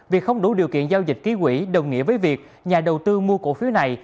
việc không đủ điều kiện giao dịch ký quỷ đồng nghĩa với việc nhà đầu tư mua cổ phiếu này